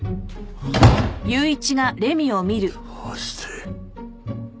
どうして。